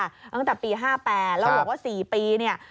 ตั้งแต่ปี๕๘แล้วบอกว่า๔ปีเนี่ย